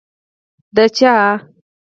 ـ د چا؟!